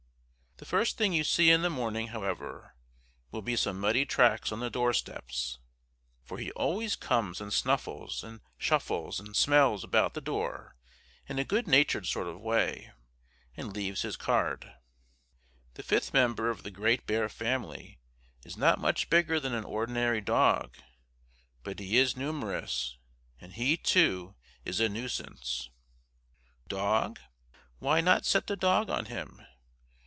The first thing you see in the morning, however, will be some muddy tracks on the door steps. For he always comes and snuffles and shuffles and smells about the door in a good natured sort of way, and leaves his card. The fifth member of the great bear family is not much bigger than an ordinary dog; but he is numerous, and he, too, is a nuisance. Dog? Why not set the dog on him?